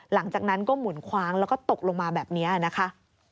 หลังจากนั้นก็หมุนคว้างแล้วก็ตกลงมาแบบนี้นะคะ